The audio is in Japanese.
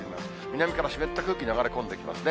南から湿った空気、流れ込んできますね。